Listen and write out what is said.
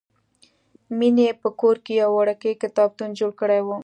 مینې په کور کې یو وړوکی کتابتون جوړ کړی و